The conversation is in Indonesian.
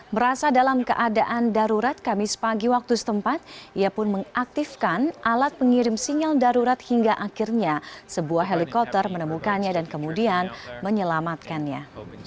merasa dalam keadaan darurat kamis pagi waktu setempat ia pun mengaktifkan alat pengirim sinyal darurat hingga akhirnya sebuah helikopter menemukannya dan kemudian menyelamatkannya